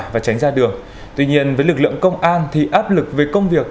và tránh ra đường tuy nhiên với lực lượng công an thì áp lực về công việc